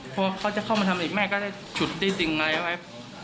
เพราะว่าเขาจะเข้ามาทำอะไรแม่ก็ได้ฉุดติดติ่งอะไรไว้